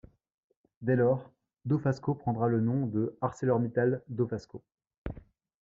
Dès lors, Dofasco prendra le nom de ArcelorMittal Dofasco.